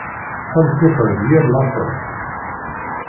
Tameṭṭut-a d yir laṣel.